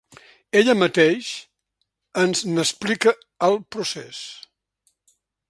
Ella mateix ens n’explica el procés.